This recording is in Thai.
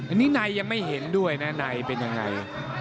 อันนี้ในยังไม่เห็นด้วยนะในเป็นยังไง